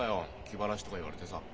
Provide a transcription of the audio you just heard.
気晴らしとか言われてさ。